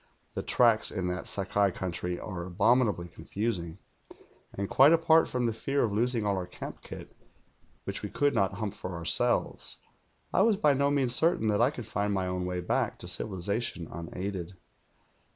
The tracks in that Sakai country are abominably confusing, and 126 THE GHOUL quite apart from the fear of losing all our camp kit, .vhich we could not hump for ourselves, I was by no means certain that I could find my own way back to civilization unaided.